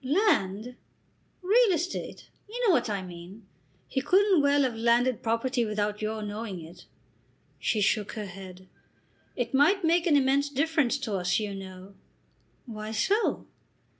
"Land!" "Real estate. You know what I mean. He couldn't well have landed property without your knowing it." She shook her head. "It might make an immense difference to us, you know." "Why so?"